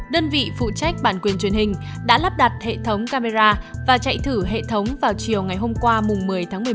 đơn vị phụ trách bản quyền truyền hình đã lắp đặt hệ thống camera và chạy thử hệ thống vào chiều ngày hôm qua một mươi tháng một mươi một